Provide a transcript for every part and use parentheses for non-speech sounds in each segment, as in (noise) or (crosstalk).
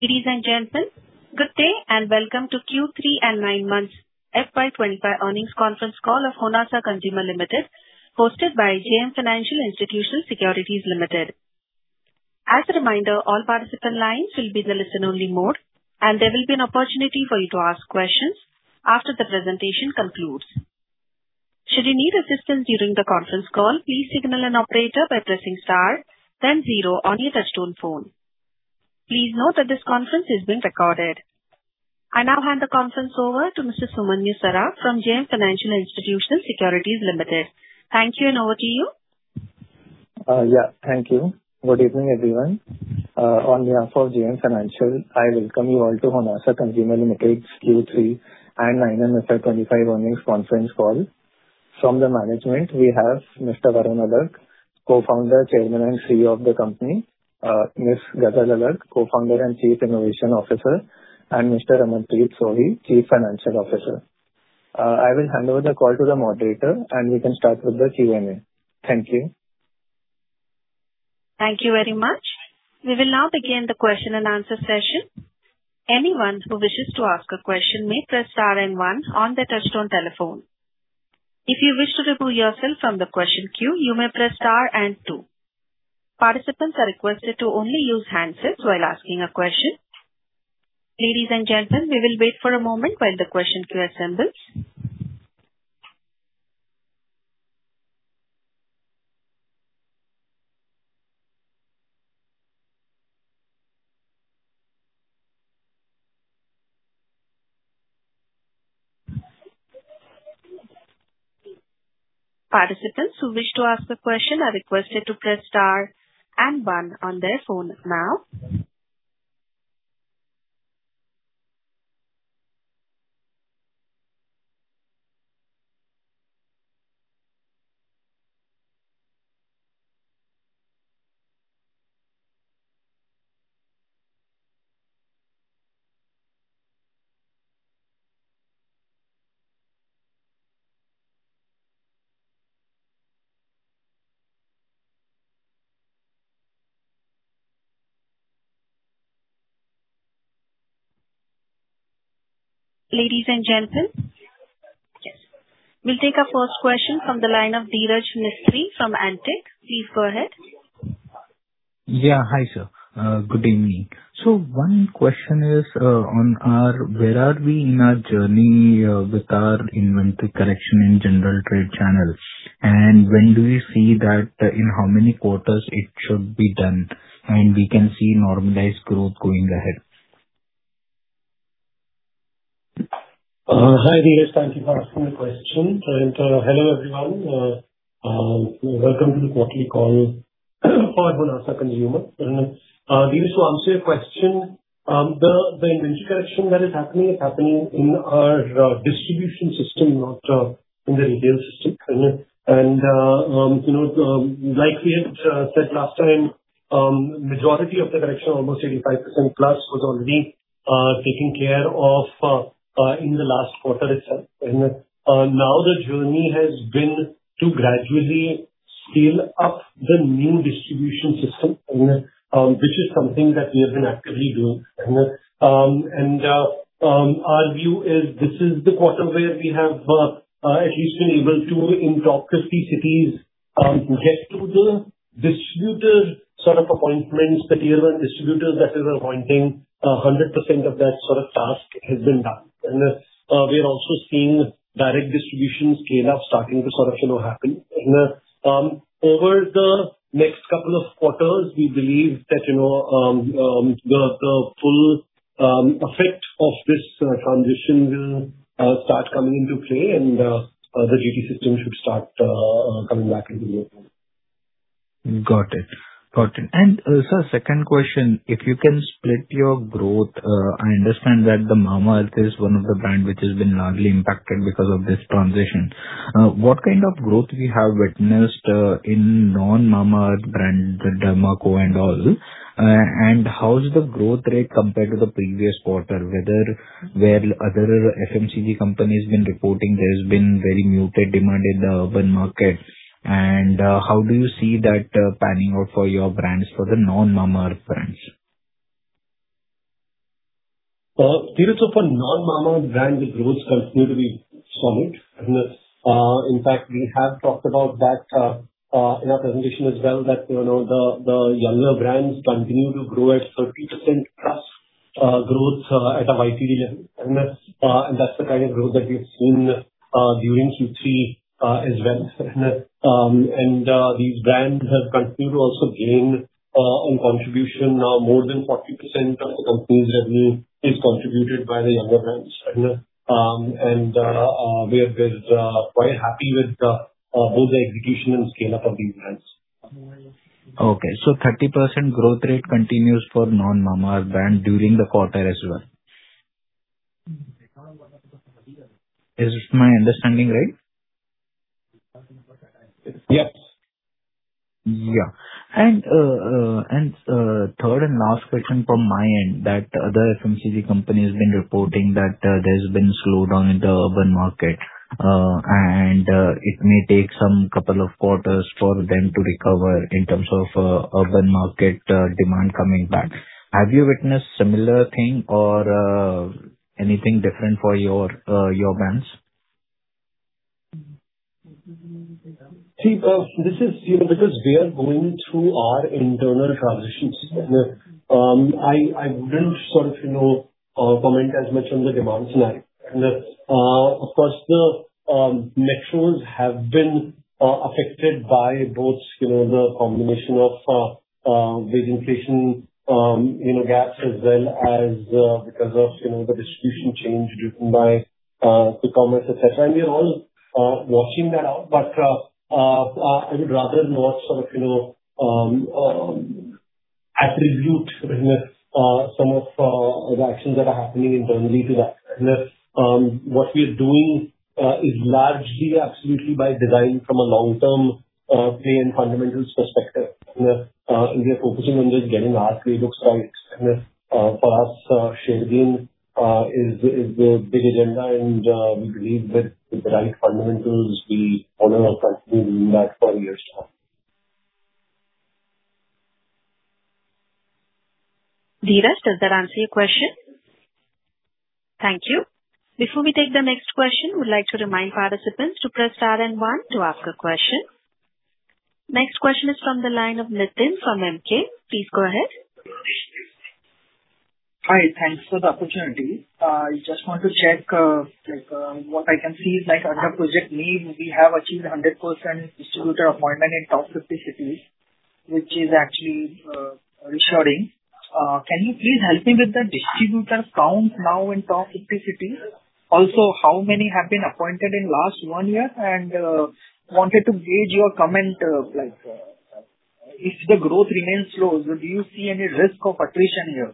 Ladies and gentlemen, good day and welcome to Q3 and 9 Months FY25 Earnings Conference Call of Honasa Consumer Ltd, hosted by JM Financial Institutional Securities Ltd. As a reminder, all participant lines will be in the listen-only mode, and there will be an opportunity for you to ask questions after the presentation concludes. Should you need assistance during the conference call, please signal an operator by pressing star, then zero on your touch-tone phone. Please note that this conference is being recorded. I now hand the conference over to Mr. Sumanyu Saraf from JM Financial Institutional Securities Ltd. Thank you, and over to you. Yeah, thank you. Good evening, everyone. On behalf of JM Financial, I welcome you all to Honasa Consumer Ltd's Q3 and 9M FY25 Earnings Conference Call. From the management, we have Mr. Varun Alagh, Co-founder, Chairman, and CEO of the company; Ms. Ghazal Alagh, Co-founder and Chief Innovation Officer; and Mr. Ramanpreet Sohi, Chief Financial Officer. I will hand over the call to the moderator, and we can start with the Q&A. Thank you. Thank you very much. We will now begin the question-and-answer session. Anyone who wishes to ask a question may press star and one on their touch-tone telephone. If you wish to remove yourself from the question queue, you may press star and two. Participants are requested to only use handsets while asking a question. Ladies and gentlemen, we will wait for a moment while the question queue assembles. Participants who wish to ask a question are requested to press star and one on their phone now. Ladies and gentlemen, we'll take our first question from the line of Dhiraj Mistry from Antique Stock Broking. Please go ahead. Yeah, hi sir. Good evening. So one question is, where are we in our journey with our inventory collection in General Trade channel, and when do we see that in how many quarters it should be done, and we can see normalized growth going ahead? Hi Dhiraj, thank you for asking the question. And hello everyone. Welcome to the quarterly call for Honasa Consumer. Dhiraj, to answer your question, the inventory collection that is happening is happening in our distribution system, not in the retail system. And like we had said last time, the majority of the collection, almost 85%+, was already taken care of in the last quarter itself. Now the journey has been to gradually scale up the new distribution system, which is something that we have been actively doing. And our view is this is the quarter where we have at least been able to, in top 50 cities, get to the distributor sort of appointments, the Tier 1 distributors that are appointing, 100% of that sort of task has been done. And we are also seeing direct distribution scale-up starting to sort of happen. Over the next couple of quarters, we believe that the full effect of this transition will start coming into play, and the GT system should start coming back into the room. Got it. Got it. And sir, second question, if you can split your growth, I understand that the Mamaearth is one of the brands which has been largely impacted because of this transition. What kind of growth we have witnessed in non-Mamaearth brands, The Derma Co and all, and how's the growth rate compared to the previous quarter? Where other FMCG companies have been reporting, there has been very muted demand in the urban market, and how do you see that panning out for your brands, for the non-Mamaearth brands? Dhiraj, so for non-Mamaearth brands, the growth continued to be solid. In fact, we have talked about that in our presentation as well, that the younger brands continue to grow at 30%+ growth at a YTD level. And that's the kind of growth that we've seen during Q3 as well. And these brands have continued to also gain in contribution, more than 40% of the company's revenue is contributed by the younger brands. And we are quite happy with both the execution and scale-up of these brands. Okay. So 30% growth rate continues for non-Mamaearth brands during the quarter as well. Is my understanding right? Yep. Yeah. And third and last question from my end, that other FMCG company has been reporting that there's been a slowdown in the urban market, and it may take some couple of quarters for them to recover in terms of urban market demand coming back. Have you witnessed a similar thing or anything different for your brands? See, this is because we are going through our internal transition. I wouldn't sort of comment as much on the demand scenario. Of course, the metros have been affected by both the combination of wage inflation gaps as well as because of the distribution change driven by e-commerce, etc., and we are all watching that out, but I would rather not sort of attribute some of the actions that are happening internally to that. What we are doing is largely absolutely by design from a long-term play and fundamentals perspective. We are focusing on just getting our playbooks right. For us, share again is the big agenda, and we believe with the right fundamentals, we want to continue doing that for years to come. Dhiraj, does that answer your question? Thank you. Before we take the next question, we'd like to remind participants to press star and one to ask a question. Next question is from the line of Nitin from MK. Please go ahead. Hi, thanks for the opportunity. I just want to check what I can see is under Project Neev, we have achieved 100% distributor appointment in top 50 cities, which is actually reassuring. Can you please help me with the distributor count now in top 50 cities? Also, how many have been appointed in the last one year? And wanted to gauge your comment, if the growth remains slow, do you see any risk of attrition here?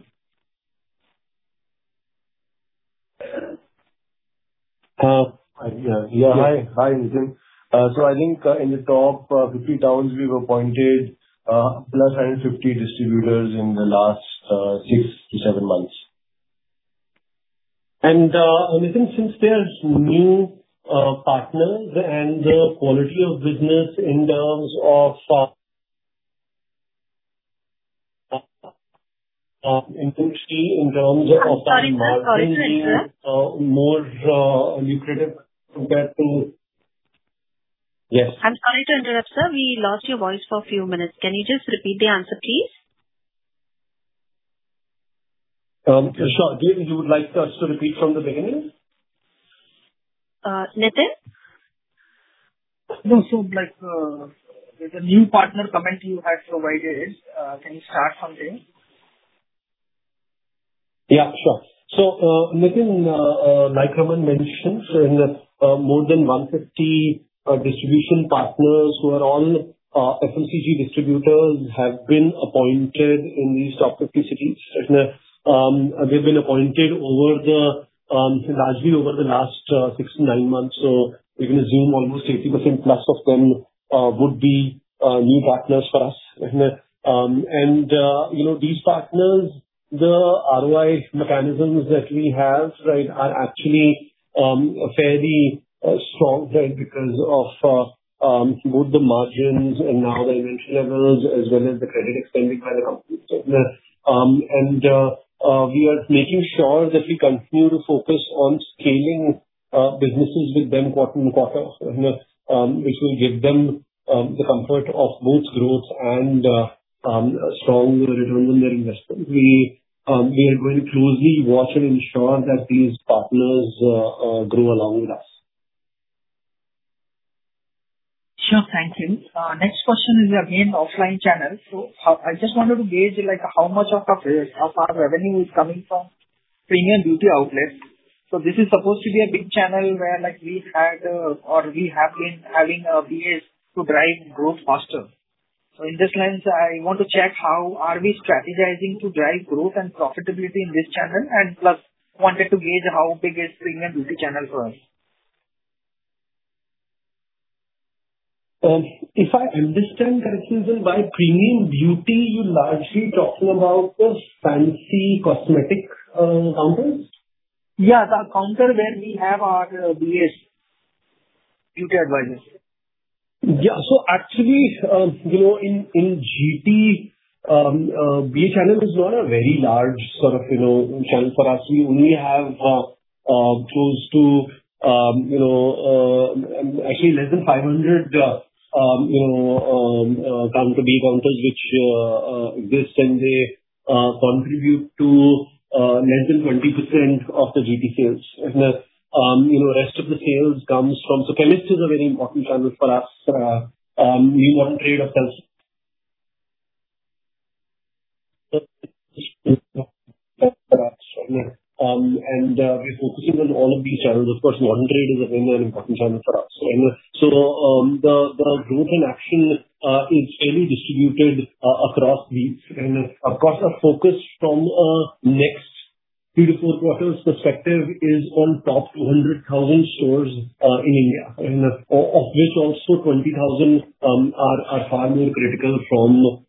Yeah, hi, Nitin. So I think in the top 50 towns, we've appointed +150 distributors in the last six to seven months. And Nitin, since there are new partners and the quality of business in terms of, inventory in terms of. I'm sorry, sorry, sorry. More lucrative compared to. Yes. I'm sorry to interrupt, sir. We lost your voice for a few minutes. Can you just repeat the answer, please? Sure. Would you like us to repeat from the beginning? Nitin? No, so there's a new partner comment you had provided. Can you start from there? Yeah, sure. So Nitin, like Raman mentioned, more than 150 distribution partners who are all FMCG distributors have been appointed in these top 50 cities. They've been appointed largely over the last six to nine months. So we're going to assume almost 80%+ of them would be new partners for us. And these partners, the ROI mechanisms that we have are actually fairly strong because of both the margins and now the inventory levels as well as the credit extended by the company. And we are making sure that we continue to focus on scaling businesses with them quarter-to-quarter, which will give them the comfort of both growth and strong returns on their investment. We are going to closely watch and ensure that these partners grow along with us. Sure, thank you. Next question is again offline channel. So I just wanted to gauge how much of our revenue is coming from premium beauty outlets. So this is supposed to be a big channel where we had or we have been having a basis to drive growth faster. So in this lens, I want to check how are we strategizing to drive growth and profitability in this channel and plus wanted to gauge how big is premium beauty channel for us. If I understand correctly, by premium beauty, you're largely talking about the fancy cosmetic counters? Yeah, the counter where we have our BAs, beauty advisors. Yeah. So actually, in GT, BA channel is not a very large sort of channel for us. We only have close to, actually, less than 500 BA counters which exist, and they contribute to less than 20% of the GT sales. The rest of the sales comes from. So e-comm is a very important channel for us. New Modern Trade of course. And we're focusing on all of these channels. Of course, Modern Trade is again an important channel for us. So the growth is actually fairly distributed across these. And of course, our focus for the next three to four quarters perspective is on top 200,000 stores in India, of which also 20,000 are far more critical from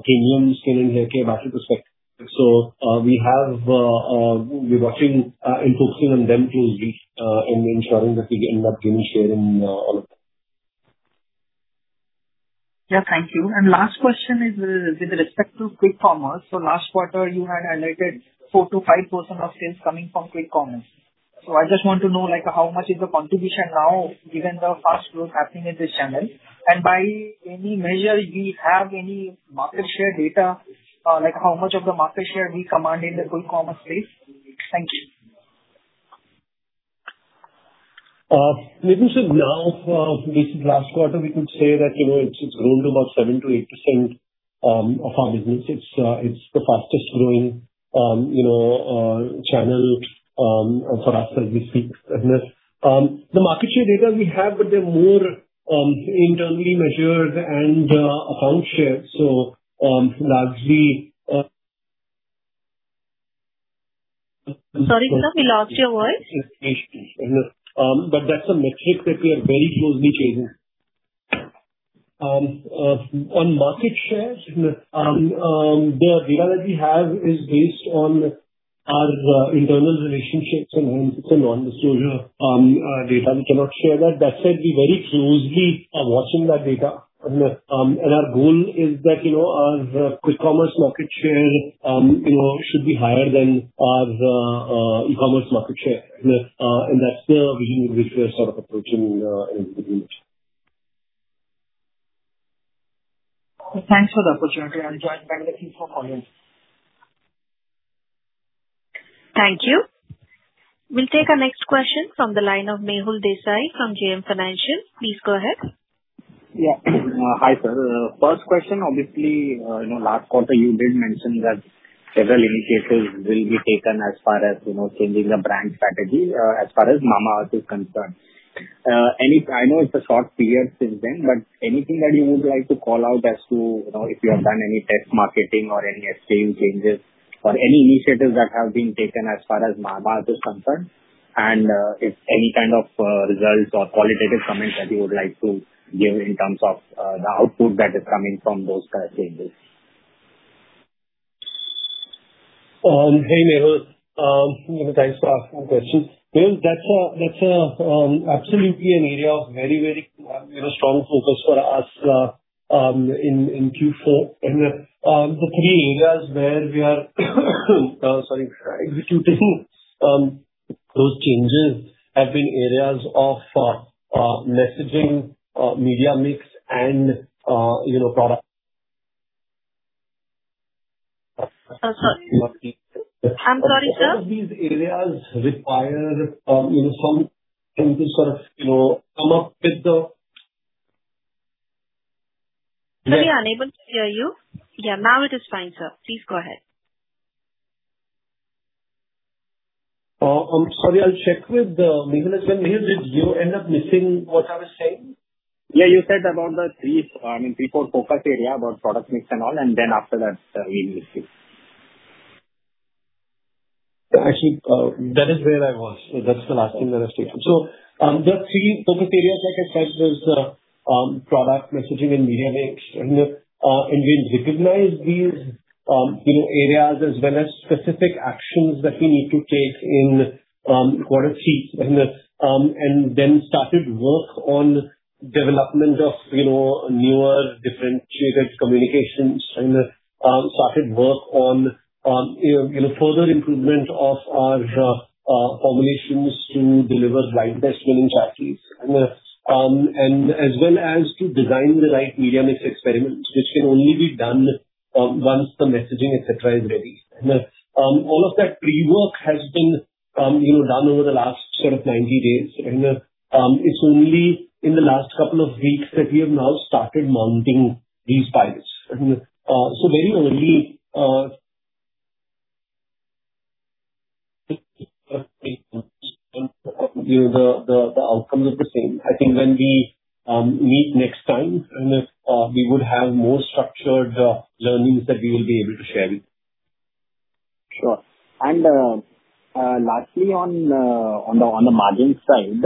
premium skin and hair care perspective. So we have been watching and focusing on them closely and ensuring that we end up gaining share in all of them. Yeah, thank you. And last question is with respect to quick commerce. So last quarter, you had highlighted 4%-5% of sales coming from quick commerce. So I just want to know how much is the contribution now given the fast growth happening in this channel? And by any measure, do you have any market share data, how much of the market share we command in the quick commerce space? Thank you. Maybe so now, this last quarter, we could say that it's grown to about 7%-8% of our business. It's the fastest growing channel for us as we speak. The market share data we have, but they're more internally measured and account share. So largely. Sorry, sir, we lost your voice. But that's a metric that we are very closely chasing. On market share, the data that we have is based on our internal relationships and non-disclosure data. We cannot share that. That said, we very closely are watching that data. And our goal is that our quick commerce market share should be higher than our e-commerce market share. And that's the vision with which we are sort of approaching in the future. Thanks for the opportunity. (audio distortion) Thank you. We'll take a next question from the line of Mehul Desai from JM Financial. Please go ahead. Yeah. Hi, sir. First question, obviously, last quarter, you did mention that several indicators will be taken as far as changing the brand strategy as far as Mamaearth is concerned. I know it's a short period since then, but anything that you would like to call out as to if you have done any test marketing or any SKU changes or any initiatives that have been taken as far as Mamaearth is concerned? And if any kind of results or qualitative comments that you would like to give in terms of the output that is coming from those kind of changes? Hey, Mehul, thanks for asking the question. Mehul, that's absolutely an area of very, very strong focus for us in Q4. The three areas where we are executing those changes have been areas of messaging, media mix, and product. I'm sorry. I'm sorry, sir? Some of these areas require some things to sort of come up with the. Hey, unable to hear you. Yeah, now it is fine, sir. Please go ahead. I'm sorry, I'll check with Mehul as well. Mehul, did you end up missing what I was saying? Yeah, you said about the three or four focus areas about product mix and all, and then after that, we missed you. Actually, that is where I was. That's the last thing that I was thinking. So the three focus areas, like I said, was product messaging and media mix. And we recognized these areas as well as specific actions that we need to take in quarter three and then started work on development of newer differentiated communications and started work on further improvement of our formulations to deliver lightest winning strategies and as well as to design the right media mix experiments, which can only be done once the messaging, etc., is ready. All of that pre-work has been done over the last sort of 90 days. It's only in the last couple of weeks that we have now started mounting these pilots. So very early, the outcomes is the same. I think when we meet next time, we would have more structured learnings that we will be able to share with you. Sure. And lastly, on the margin side,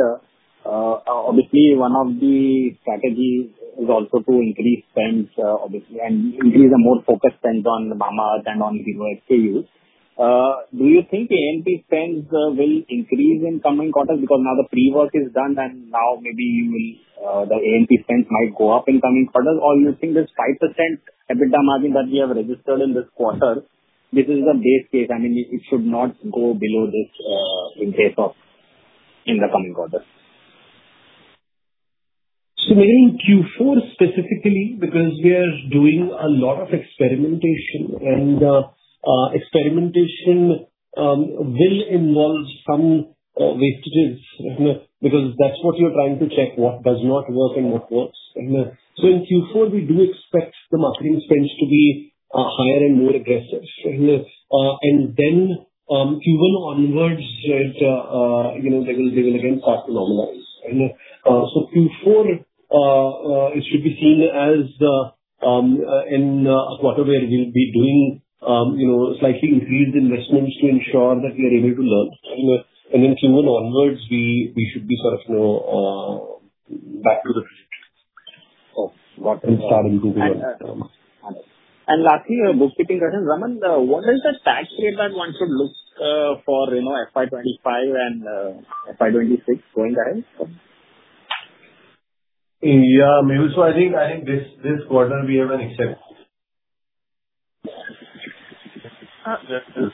obviously, one of the strategies is also to increase spend and increase the more focused spend on Mamaearth and on SKUs. Do you think A&P spend will increase in coming quarters because now the pre-work is done and now maybe the A&P spend might go up in coming quarters? Or you think this 5% EBITDA margin that we have registered in this quarter, this is the base case? I mean, it should not go below this in the coming quarters. So maybe in Q4 specifically, because we are doing a lot of experimentation, and experimentation will involve some wastages because that's what you're trying to check, what does not work and what works. So in Q4, we do expect the marketing spend to be higher and more aggressive. And then Q1 onwards, they will again start to normalize. So Q4, it should be seen as in a quarter where we'll be doing slightly increased investments to ensure that we are able to learn. And then Q1 onwards, we should be sort of back to the trajectory of what we started moving on. Lastly, a bookkeeping question. Raman, what is the tax rate that one should look for FY 2025 and FY 2026 going ahead? Yeah, Mehul, so I think this quarter we have an exception.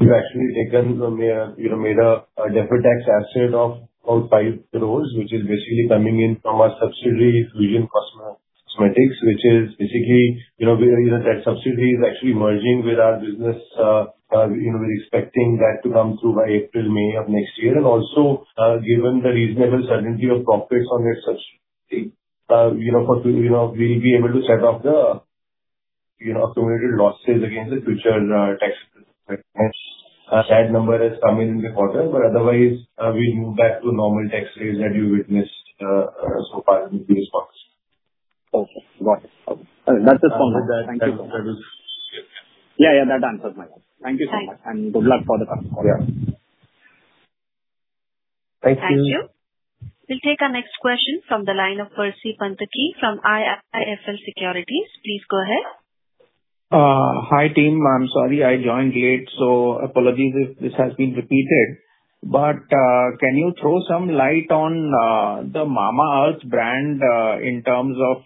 We've actually taken and made a deferred tax asset of about 5 crore, which is basically coming in from our subsidiary Fusion Cosmeceutics, which is basically that subsidiary is actually merging with our business. We're expecting that to come through by April, May of next year. And also, given the reasonable certainty of profits on that subsidiary, we'll be able to set off the accumulated losses against the future taxes. That number has come in in the quarter, but otherwise, we'll move back to normal tax rates that you witnessed so far in the previous quarters. Okay. Got it. That's just wonderful. Does that answer your question?. Yeah, yeah, that answers my question. Thank you so much. And good luck for the coming quarter. Yeah. Thank you. Thank you. We'll take a next question from the line of Percy Panthaki from IIFL Securities. Please go ahead. Hi team. I'm sorry, I joined late, so apologies if this has been repeated. But can you throw some light on the Mamaearth brand in terms of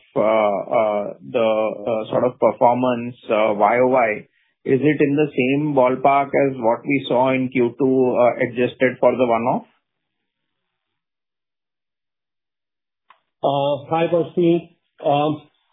the sort of performance? Why? Is it in the same ballpark as what we saw in Q2 adjusted for the one-off? Hi, Percy.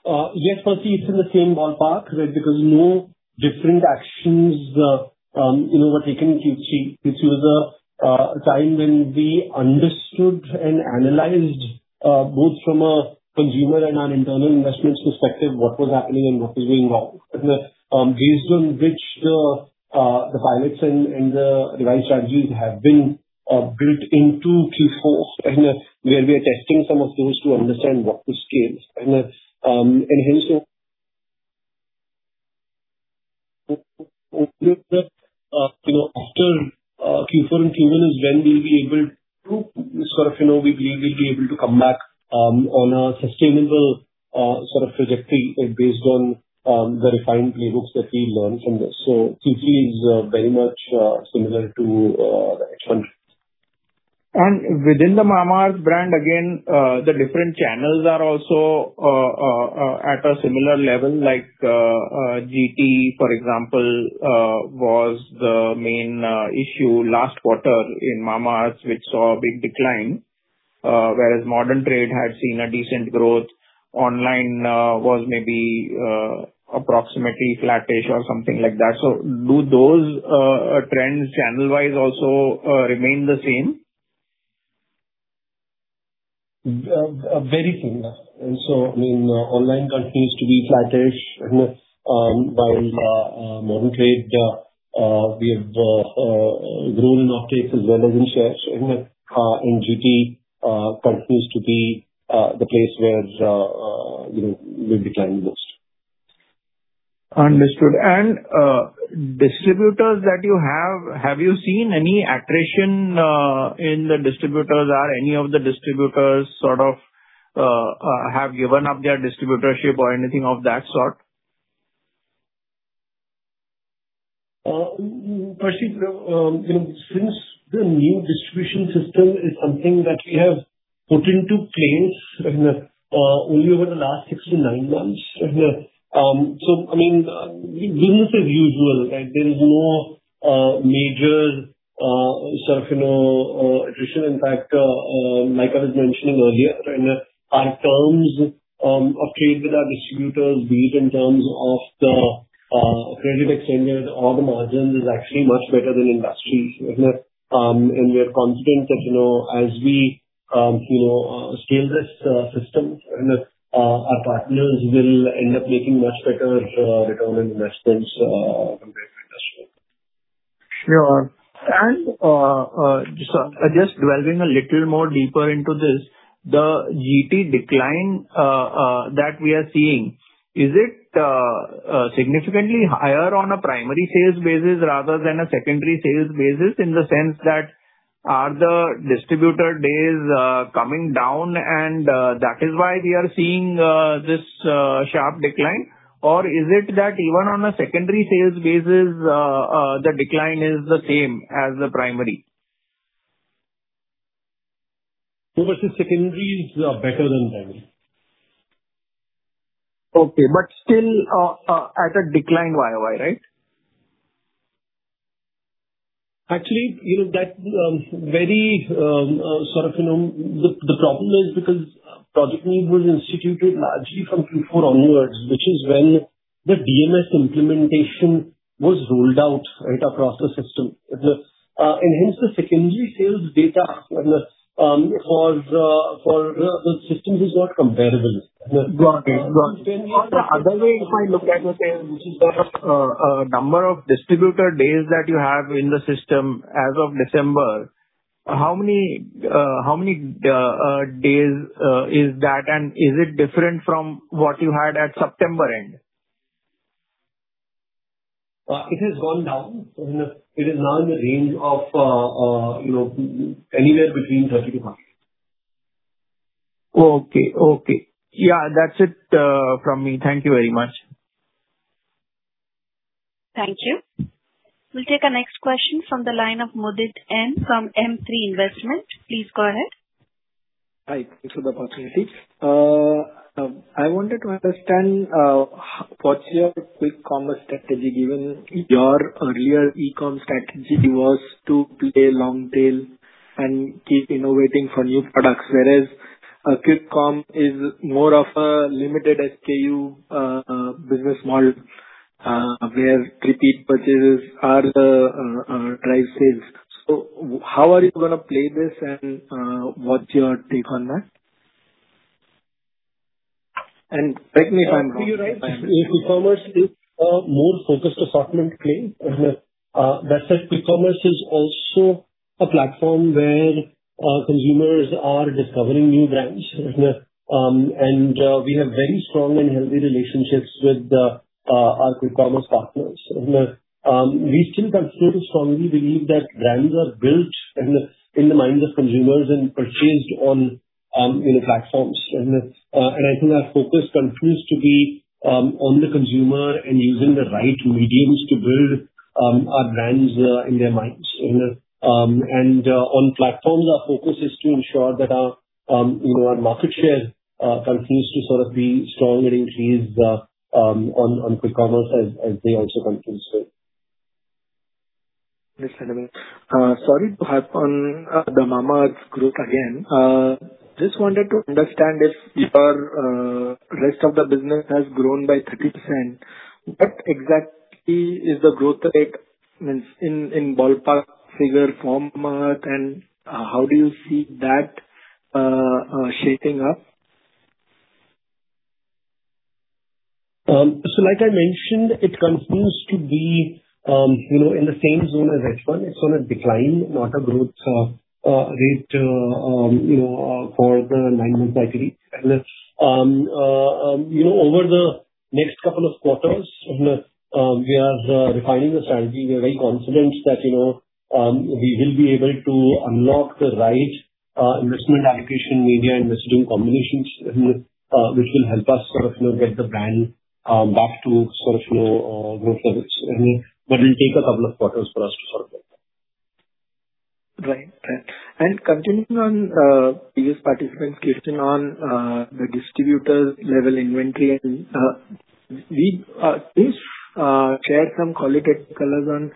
Yes, Percy, it's in the same ballpark because no different actions were taken in Q3. It was a time when we understood and analyzed both from a consumer and our internal investments perspective what was happening and what was going wrong. Based on which the pilots and the revised strategies have been built into Q4 where we are testing some of those to understand what to scale, and hence, after Q4 and Q1 is when we'll be able to sort of we believe we'll be able to come back on a sustainable sort of trajectory based on the refined playbooks that we learned from this, so Q3 is very much similar to the H1. Within the Mamaearth brand, again, the different channels are also at a similar level. GT, for example, was the main issue last quarter in Mamaearth, which saw a big decline, whereas Modern Trade had seen a decent growth. Online was maybe approximately flattish or something like that. Do those trends channel-wise also remain the same? Very similar. And so, I mean, online continues to be flattish, while Modern Trade we have grown in uptake as well as in shares. And GT continues to be the place where we've declined the most. Understood. And distributors that you have, have you seen any attrition in the distributors? Are any of the distributors sort of have given up their distributorship or anything of that sort? Percy, since the new distribution system is something that we have put into place only over the last six to nine months, so I mean, business as usual. There is no major sort of attrition. In fact, like I was mentioning earlier, our terms of trade with our distributors, be it in terms of the credit extended or the margins, is actually much better than industry, and we are confident that as we scale this system, our partners will end up making much better return on investments compared to industry. Sure. And just delving a little more deeper into this, the GT decline that we are seeing, is it significantly higher on a primary sales basis rather than a secondary sales basis in the sense that are the distributor days coming down and that is why we are seeing this sharp decline? Or is it that even on a secondary sales basis, the decline is the same as the primary? Percy, secondary is better than primary. Okay. But still at a declined YoY, right? Actually, that's very sort of the problem is because Project Neev was instituted largely from Q4 onwards, which is when the DMS implementation was rolled out across the system, and hence, the secondary sales data for the system is not comparable. Got it. Got it. And the other way, if I look at it, which is that number of distributor days that you have in the system as of December, how many days is that? And is it different from what you had at September end? It has gone down. It is now in the range of anywhere between 30 to 40. Okay. Okay. Yeah, that's it from me. Thank you very much. Thank you. We'll take a next question from the line of Mudit M. from M3 Investment. Please go ahead. Hi. Thanks for the opportunity. I wanted to understand what's your quick commerce strategy given your earlier e-comm strategy was to play long tail and keep innovating for new products, whereas quick comm is more of a limited SKU business model where repeat purchases are the drive sales. So how are you going to play this and what's your take on that? And correct me if I'm wrong. You're right. Quick commerce is a more focused assortment play. That said, quick commerce is also a platform where consumers are discovering new brands. We have very strong and healthy relationships with our quick commerce partners. We still strongly believe that brands are built in the minds of consumers and purchased on platforms. I think our focus continues to be on the consumer and using the right mediums to build our brands in their minds. On platforms, our focus is to ensure that our market share continues to sort of be strong and increase on quick commerce as they also continue to grow. Understandable. Sorry to harp on the Mamaearth growth again. Just wanted to understand if your rest of the business has grown by 30%. What exactly is the growth rate in ballpark figure format, and how do you see that shaping up? So, like I mentioned, it continues to be in the same zone as H1. It's on a decline, not a growth rate for the nine-month cycle. Over the next couple of quarters, we are refining the strategy. We are very confident that we will be able to unlock the right investment allocation, media and messaging combinations, which will help us sort of get the brand back to sort of growth levels. But it will take a couple of quarters for us to sort of get there. Right. Right. And continuing on previous participants' question on the distributor-level inventory, and we shared some qualitative colors on,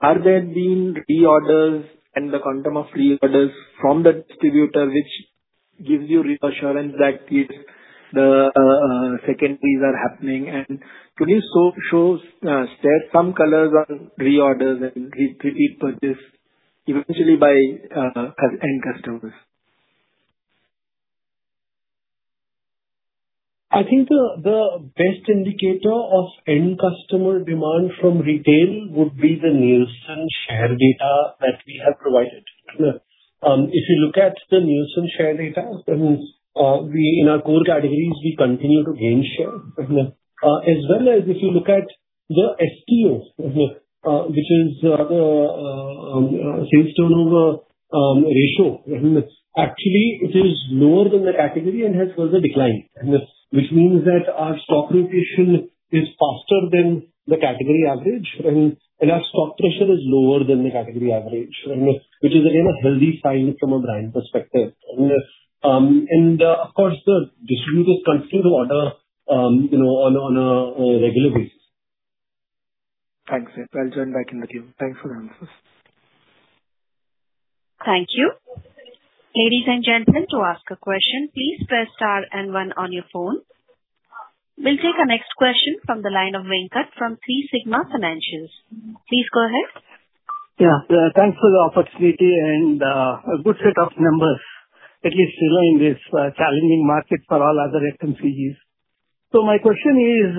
are there been reorders and the quantum of reorders from the distributor, which gives you reassurance that the secondaries are happening? And can you share some colors on reorders and repeat purchase eventually by end customers? I think the best indicator of end customer demand from retail would be the Nielsen share data that we have provided. If you look at the Nielsen share data, in our core categories, we continue to gain share. As well as if you look at the STO, which is the sales turnover ratio, actually, it is lower than the category and has further declined, which means that our stock rotation is faster than the category average, and our stock pressure is lower than the category average, which is again a healthy sign from a brand perspective, and of course, the distributors continue to order on a regular basis. Thanks. I'll join back in the queue. Thanks for the answers. Thank you. Ladies and gentlemen, to ask a question, please press star and one on your phone. We'll take a next question from the line of Venkat from 3Sigma Financials. Please go ahead. Yeah. Thanks for the opportunity and a good set of numbers, at least in this challenging market for all other FMCGs. So my question is,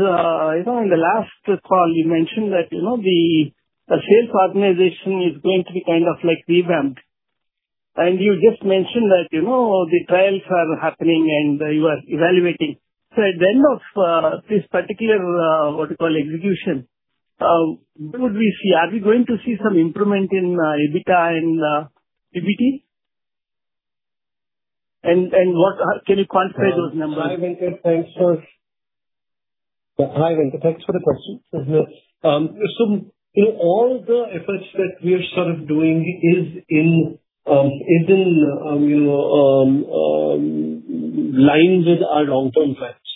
in the last call, you mentioned that the sales organization is going to be kind of like revamped. And you just mentioned that the trials are happening and you are evaluating. So at the end of this particular, what do you call, execution, what would we see? Are we going to see some improvement in EBITDA and EBT? And can you quantify those numbers? Hi, Venkat. Thanks for the question. So all the efforts that we are sort of doing is in line with our long-term plans.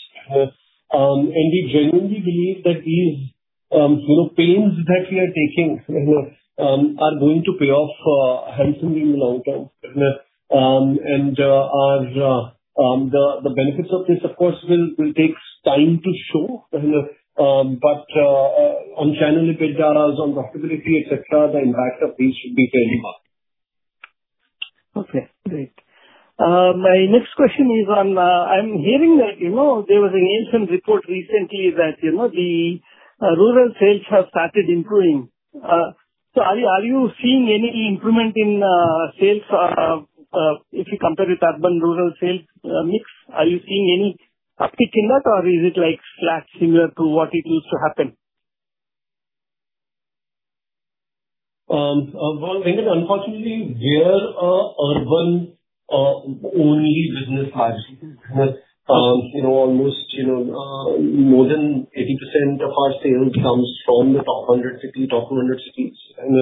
And we genuinely believe that these pains that we are taking are going to pay off handsomely in the long term. And the benefits of this, of course, will take time to show. But on channel EBITDAs, on profitability, etc., the impact of these should be fairly. (audio distortion) Okay. Great. My next question is, I'm hearing that there was a Nielsen report recently that the rural sales have started improving. So are you seeing any improvement in sales if you compare with urban rural sales mix? Are you seeing any uptick in that, or is it like flat, similar to what it used to happen? Venkat, unfortunately, we're an urban-only business largely. Almost more than 80% of our sales comes from the top 100 cities, top 200 cities. And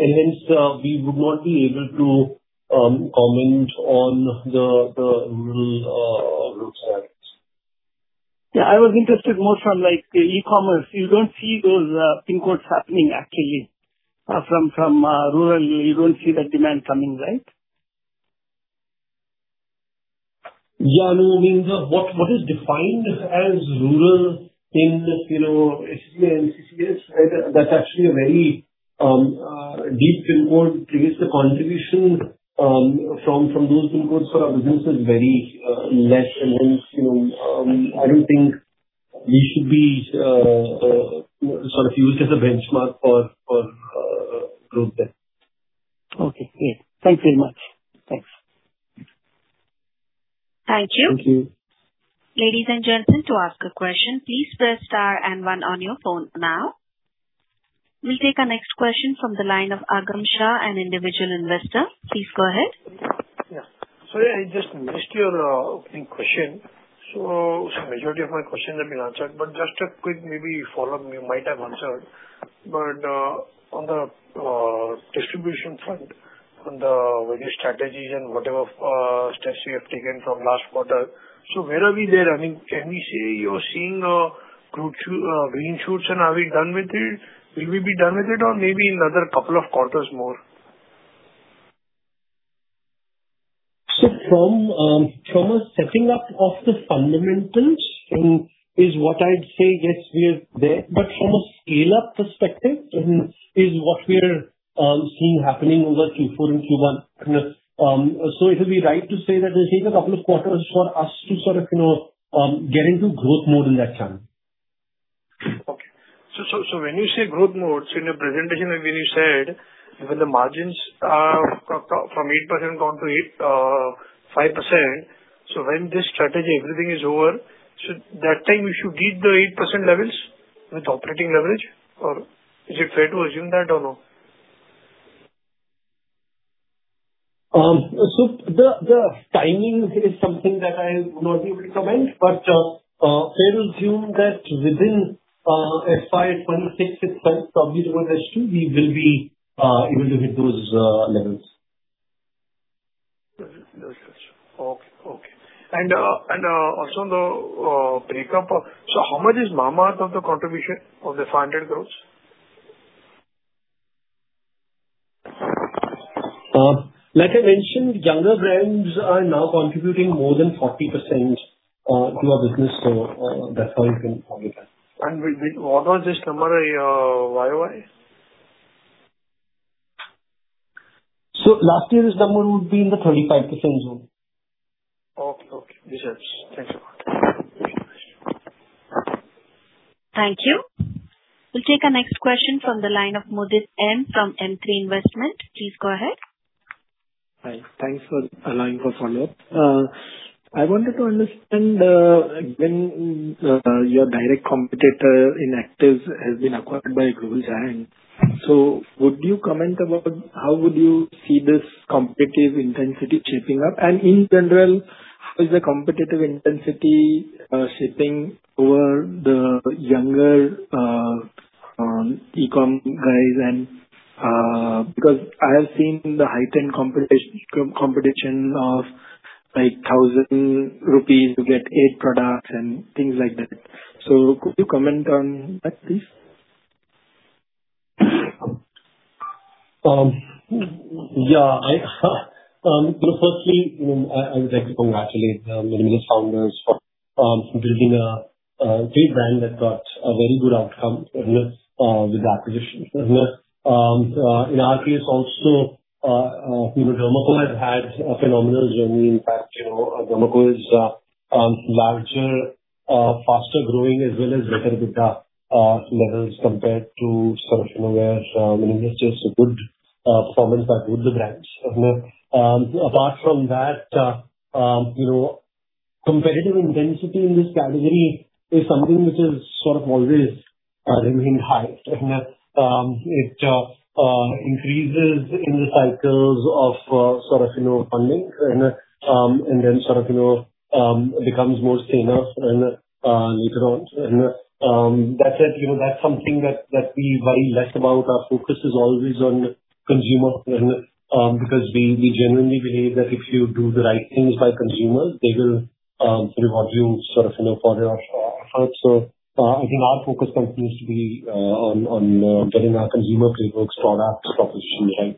hence, we would not be able to comment on the rural roadside. Yeah. I was interested more from e-commerce. You don't see those (audio distortion) happening actually from rural. You don't see that demand coming, right? Yeah. No, I mean, what is defined as rural in SEC, that's actually a very deep, to use the contribution from those (audio distortion) for our business is very less. And hence, I don't think we should be sort of used as a benchmark for growth there. Okay. Great. Thank you very much. Thanks. Thank you. Thank you. Ladies and gentlemen, to ask a question, please press star and one on your phone now. We'll take the next question from the line of Agam Shah, an individual investor. Please go ahead. Yeah. So I just missed your opening question. So the majority of my questions have been answered. But just a quick maybe follow-up you might have answered. But on the distribution front, on the various strategies and whatever steps we have taken from last quarter, so where are we there? I mean, can we say you're seeing green-shoots and are we done with it? Will we be done with it or maybe in another couple of quarters more? So from a setting up of the fundamentals is what I'd say, yes, we are there. But from a scale-up perspective is what we are seeing happening over Q4 and Q1. So it would be right to say that we'll take a couple of quarters for us to sort of get into growth mode in that channel. Okay. So when you say growth mode, so in your presentation, when you said when the margins are from 8% down to 5%, so when this strategy, everything is over, that time you should reach the 8% levels with operating leverage? Or is it fair to assume that or no? So the timing is something that I would not be able to comment. But fair to assume that within FY 2026 itself, probably towards H2, we will be able to hit those levels. Okay. And also on the breakup, so how much is Mamaearth of the contribution of the 500 growths? Like I mentioned, younger brands are now contributing more than 40% to our business. So that's how you can probably tell. What was this number, YoY? Last year, this number would be in the 25% zone. Okay. Okay. Thanks a lot. Thank you. We'll take a next question from the line of Mudit M. from M3 Investment. Please go ahead. Hi. Thanks for allowing for follow-up. I wanted to understand when your direct competitor in actives has been acquired by a global giant. So would you comment about how would you see this competitive intensity shaping up? And in general, how is the competitive intensity shaping over the younger e-comm guys? Because I have seen the heightened competition of like 1,000 rupees, you get eight products and things like that. So could you comment on that, please? Yeah. Firstly, I would like to congratulate the founders for building a great brand that got a very good outcome with the acquisition. In honestly, it's also, the Derma Co has had a phenomenal journey. The Derma Co is larger, faster-growing as well as better with the levels compared to sort of where many industries have good performance at good brands. Apart from that, competitive intensity in this category is something which has sort of always remained high. It increases in the cycles of sort of funding and then sort of becomes more thinner later on. That said, that's something that we worry less about. Our focus is always on consumer because we genuinely believe that if you do the right things by consumers, they will reward you sort of for their efforts. So I think our focus continues to be on getting our consumer playbooks products proposition right.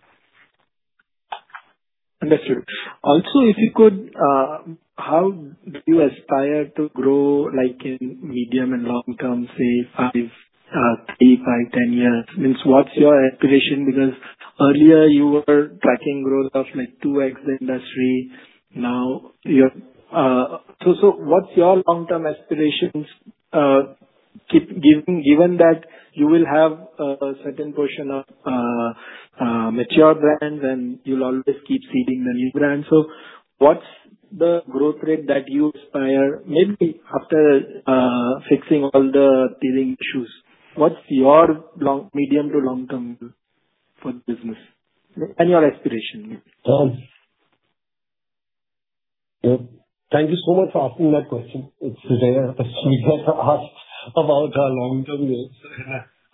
Understood. Also, if you could, how do you aspire to grow in medium and long term, say, five, three, five, 10 years? What's your aspiration? Because earlier, you were tracking growth of like 2x industry. Now, so what's your long-term aspirations given that you will have a certain portion of mature brands and you'll always keep seeding the new brands? So what's the growth rate that you aspire, maybe after fixing all the tailing issues? What's your medium to long-term goal for the business? And your aspiration. Thank you so much for asking that question. It's rare that we get asked about our long-term goals.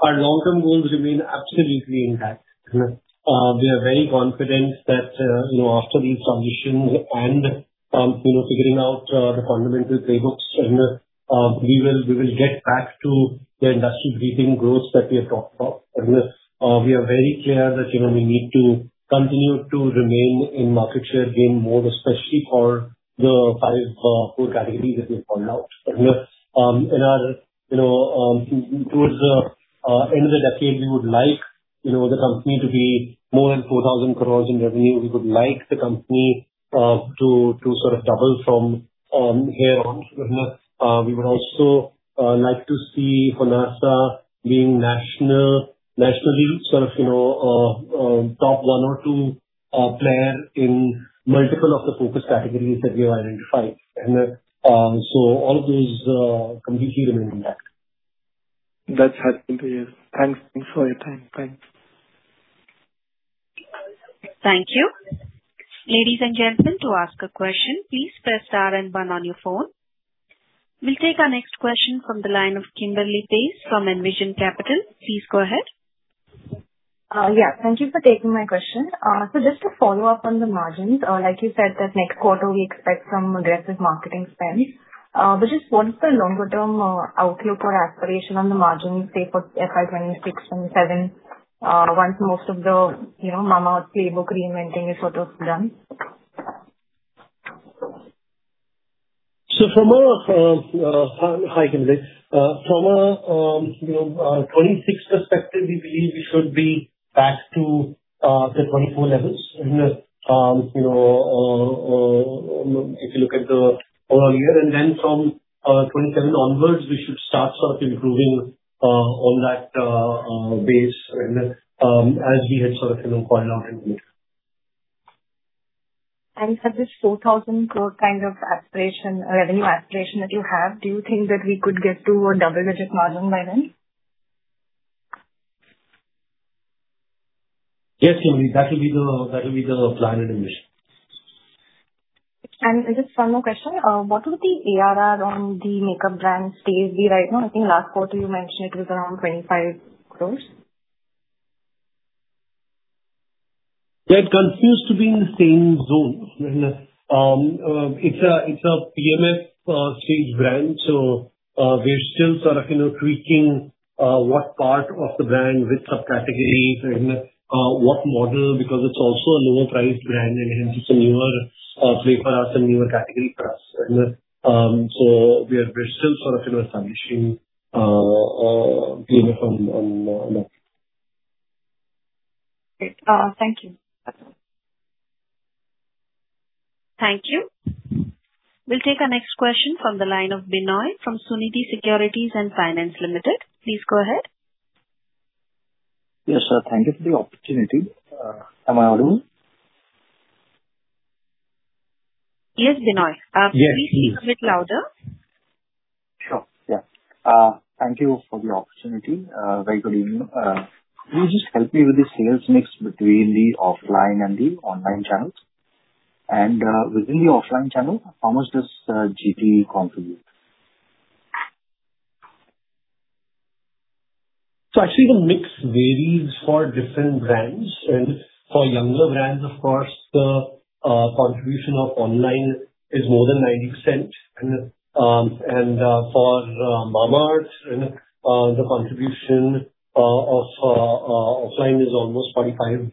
Our long-term goals remain absolutely intact. We are very confident that after these transitions and figuring out the fundamental playbooks, we will get back to the industry breathing growth that we have talked about. We are very clear that we need to continue to remain in market share gain mode, especially for the five core categories that we have called out, and towards the end of the decade, we would like the company to be more than INR 4,000 crores in revenue. We would like the company to sort of double from here on. We would also like to see Honasa being nationally sort of top one or two player in multiple of the focus categories that we have identified, so all of those completely remain intact. That's helpful to hear. Thanks. Thanks for your time. Thanks. Thank you. Ladies and gentlemen, to ask a question, please press star and one on your phone. We'll take our next question from the line of Kimberly Paes from Envision Capital. Please go ahead. Yes. Thank you for taking my question. So just to follow up on the margins, like you said, that next quarter, we expect some aggressive marketing spend. But just what's the longer-term outlook or aspiration on the margins, say for FY 2026 and 2027, once most of the Mamaearth playbook reinventing is sort of done? Hi, Kimberly. From a 2026 perspective, we believe we should be back to the 2024 levels if you look at the overall year. Then from 2027 onwards, we should start sort of improving on that base as we had sort of called out. For this 4,000 crore kind of revenue aspiration that you have, do you think that we could get to a double-digit margin by then? Yes, Kimberly. That will be the plan and ambition. And just one more question. What would the ARR on the makeup brand Staze be right now? I think last quarter, you mentioned it was around 25 crores. Yeah. It continues to be in the same zone. It's a PMF stage brand. So we're still sort of tweaking what part of the brand with subcategories, what model, because it's also a lower-priced brand. And hence, it's a newer play for us and newer category for us. So we're still sort of establishing PMF on that. Great. Thank you. Thank you. We'll take our next question from the line of Binoy from Sunidhi Securities and Finance Ltd. Please go ahead. Yes, sir. Thank you for the opportunity. Am I audible? Yes, Binoy. Yes. Please speak a bit louder. Sure. Yeah. Thank you for the opportunity. Very good evening. Please just help me with the sales mix between the offline and the online channels. And within the offline channel, how much does GT contribute? Actually, the mix varies for different brands. For younger brands, of course, the contribution of online is more than 90%. For Mamaearth, the contribution of offline is almost 45%,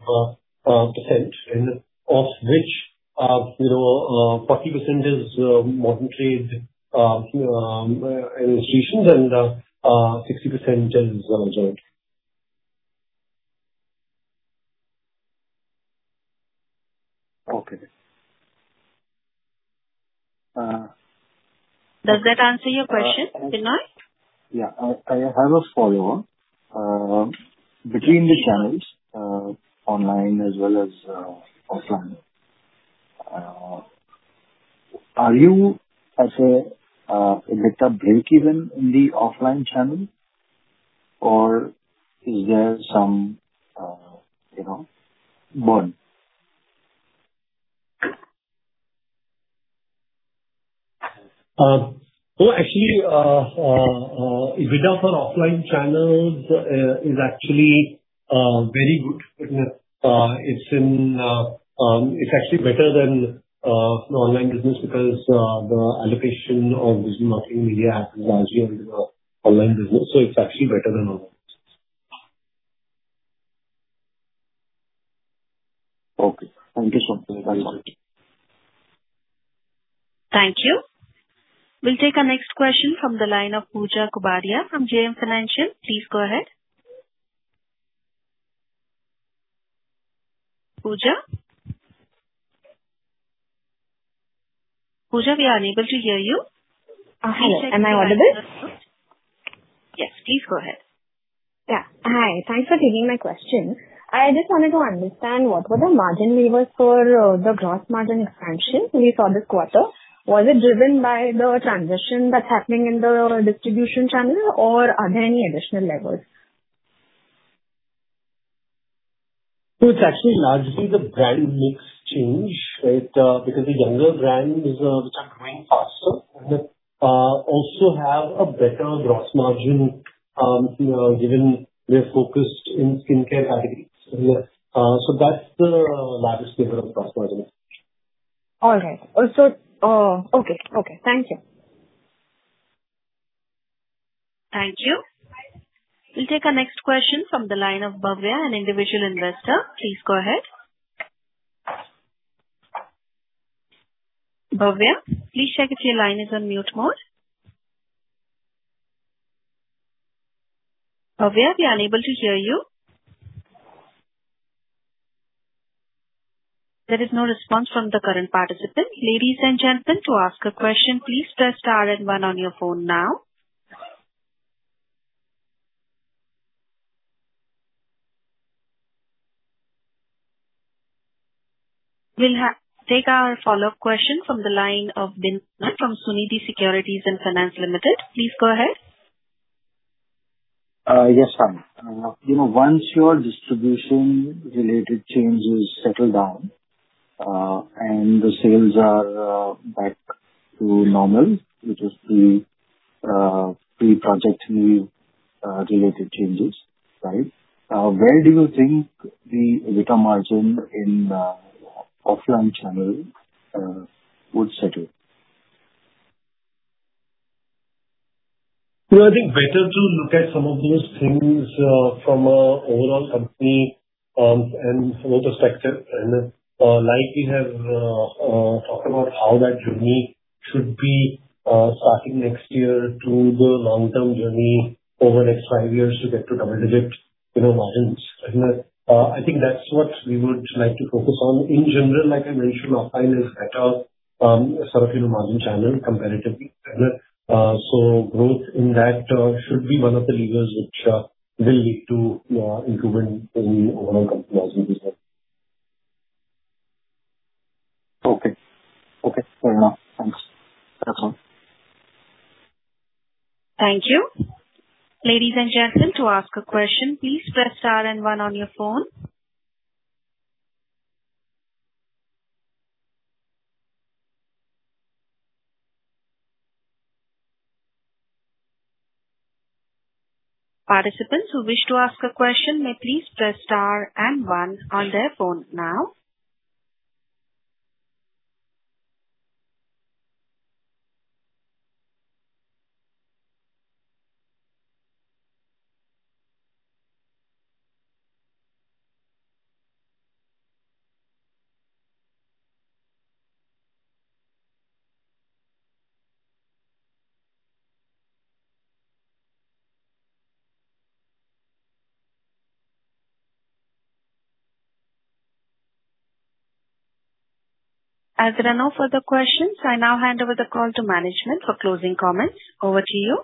of which 40% is Modern Trade institutions and 60% is GT. Okay. Does that answer your question, Binoy? Yeah. I have a follow-up. Between the channels, online as well as offline, are you at a break-even in the offline channel? Or is there some burn? Actually, EBITDA for offline channels is actually very good. It's actually better than online business because the allocation of digital marketing media happens largely on the online business. It's actually better than online business. Okay. Thank you so much. Very good. Thank you. We'll take our next question from the line of Pooja Kubadia from JM Financial. Please go ahead. Pooja? Pooja, we are unable to hear you. Hi. Am I audible? Yes. Please go ahead. Yeah. Hi. Thanks for taking my question. I just wanted to understand what were the margin levers for the gross margin expansion we saw this quarter? Was it driven by the transition that's happening in the distribution channel? Or are there any additional levers? So it's actually largely the brand mix change because the younger brands, which are growing faster, also have a better gross margin given they're focused in skincare categories. So that's the largest lever of gross margin expansion. All right. Okay. Thank you. Thank you. We'll take our next question from the line of Bhavya, an individual investor. Please go ahead. Bhavya, please check if your line is on mute mode. Bhavya, we are unable to hear you. There is no response from the current participant. Ladies and gentlemen, to ask a question, please press star and one on your phone now. We'll take our follow-up question from the line of Binoy from Sunidhi Securities & Finance Ltd. Please go ahead. Yes. Once your distribution-related change is settled down and the sales are back to normal, which is the pre-project related changes, right, where do you think the EBITDA margin in offline channel would settle? I think better to look at some of those things from an overall company and from a perspective. Like we have talked about how that journey should be starting next year to the long-term journey over the next five years to get to double-digit margins. I think that's what we would like to focus on. In general, like I mentioned, offline is better sort of margin channel comparatively. So growth in that should be one of the levers which will lead to improvement in overall company margins. Okay. Okay. Fair enough. Thanks. Thanks. Thank you. Ladies and gentlemen, to ask a question, please press star and one on your phone. Participants who wish to ask a question may please press star and one on their phone now. As there are no further questions, I now hand over the call to management for closing comments. Over to you.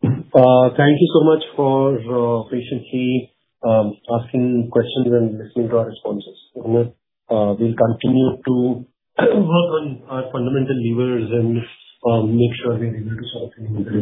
Thank you so much for patiently asking questions and listening to our responses. We'll continue to work on our fundamental levers and make sure we're able to sort of.